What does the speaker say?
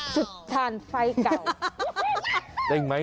จุดฐานไฟเก่า